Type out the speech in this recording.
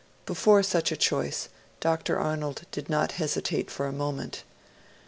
Before such a choice, Dr. Arnold did not hesitate for a moment.